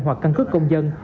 hoặc căn cứ công dân